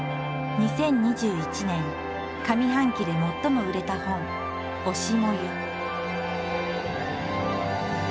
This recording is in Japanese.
２０２１年上半期で最も売れた本「推し、燃ゆ」。